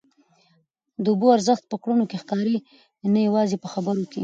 د اوبو ارزښت په کړنو کي ښکاري نه یوازي په خبرو کي.